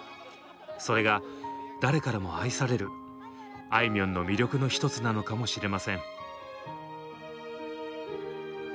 それが誰からも愛されるあいみょんの魅力の一つなのかもしれません。